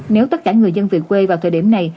nếu tất cả người dân về quê vào thời điểm này